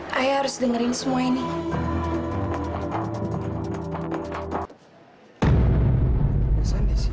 saya pasti bisa tahan agungan individu